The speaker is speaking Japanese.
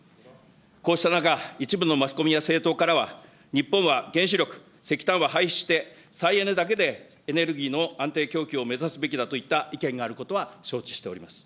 こうした中、一部のマスコミや政党からは、日本は原子力、石炭は廃止して、再エネだけでエネルギーの安定供給を目指すべきだといった意見があることは承知しております。